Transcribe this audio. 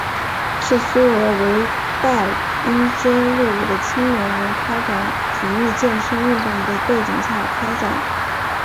是苏俄为待应征入伍的青年人开展体育健身运动的背景下开展的。